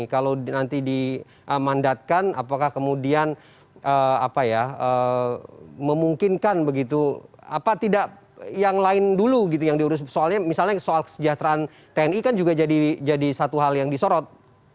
kalau nanti dimandatkan apakah kemudian memungkinkan begitu apa tidak yang lain dulu gitu yang diurus soalnya misalnya soal kesejahteraan tni kan juga jadi satu hal yang disorot